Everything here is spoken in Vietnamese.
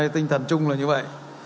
tinh thần chung là như vậy